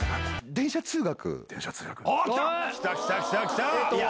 電車通学。